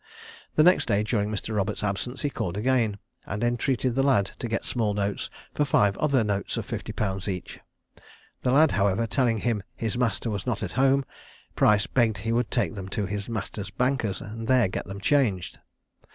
The next day, during Mr. Roberts's absence, he called again, and entreated the lad to get small notes for five other notes of fifty pounds each: the lad, however, telling him his master was not at home, Price begged he would take them to his master's bankers', and there get them changed.